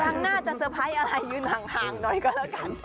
ครั้งหน้าจะเตอร์ไพรส์อะไรยืนห่างหน่อยก็แล้วกัน